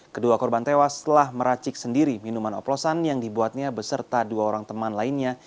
kedua korban tewas telah meracik sendiri minuman oplosan yang dibuatnya beserta dua orang teman lainnya